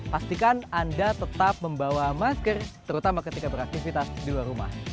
pastikan anda tetap membawa masker terutama ketika beraktivitas di luar rumah